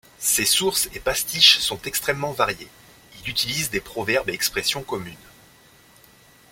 Ses sources et pastiches sont extrêmement variés, il utilise des proverbes et expressions communes.